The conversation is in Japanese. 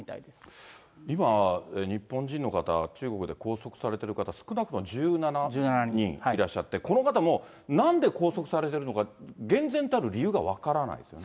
今、日本人の方、中国で拘束されてる方、少なくとも１７人いらっしゃって、この方も、なんで拘束されてるのか、全然たぶん理由が分からないっていうね。